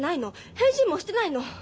返事もしてないの。